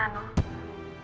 gimana kita bercerai